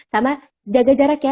sama jaga jarak ya